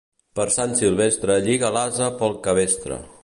Per Sant Silvestre lliga l'ase pel cabestre.